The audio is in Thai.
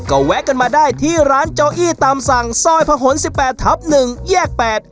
ก็แวะกันมาได้ที่ร้านโจอี้ตามสั่งซอยพะหนสิบแปดทับหนึ่งแยกแปด